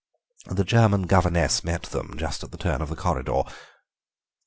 The German governess met them just at the turn of the corridor.